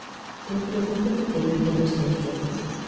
Eu pregúntome que piden nesta iniciativa.